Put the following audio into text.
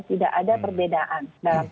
tidak ada perbedaan